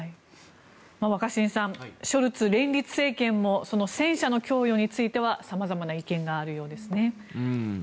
若新さんショルツ連立政権も戦車の供与については様々な意見があるようですね。